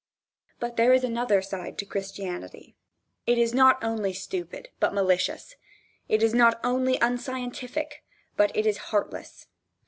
But there is another side to Christianity. It is not only stupid, but malicious. It is not only unscientific, but it is heartless.